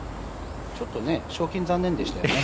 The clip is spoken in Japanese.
ちょっと賞金、残念でしたよね。